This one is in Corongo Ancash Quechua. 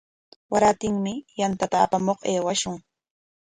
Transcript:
Warantinmi yantata apamuq aywashun.